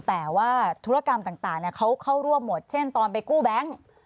แต่ว่าธุรกรรมต่างเขาเข้าร่วมหมดเช่นตอนไปกู้แบงค์